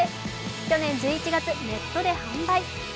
去年１１月、ネットで販売。